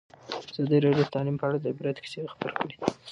ازادي راډیو د تعلیم په اړه د عبرت کیسې خبر کړي.